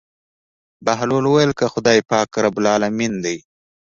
بهلول وويل که خداى پاک رب العلمين دى.